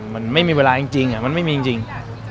มันไม่มีเวลาจริง